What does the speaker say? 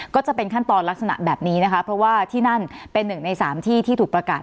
ก็จะเป็นขั้นตอนลักษณะแบบนี้นะคะเพราะว่าที่นั่นเป็นหนึ่งในสามที่ที่ถูกประกาศ